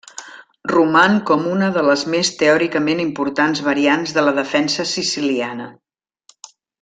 Roman com una de les més teòricament importants variants de la defensa siciliana.